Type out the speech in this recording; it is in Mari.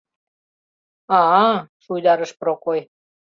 — А-а... — шуйдарыш Прокой.